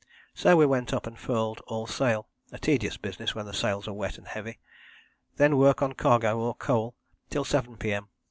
So we went up and furled all sail, a tedious business when the sails are wet and heavy. Then work on cargo or coal till 7 P.M.